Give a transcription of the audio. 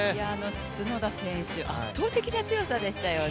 角田選手、圧倒的な強さでしたよね。